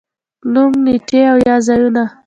نوم، نېټې او یا ځايونه